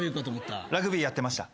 ラグビーやってました。